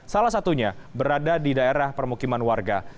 salah satunya berada di daerah permukiman warga